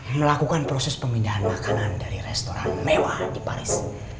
melakukan proses pemindahan makanan dari restoran mewah di paris